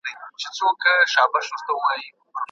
موږ خپل وېښتان مینځو.